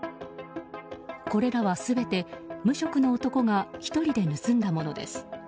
これらは全て無職の男が１人で盗んだものです。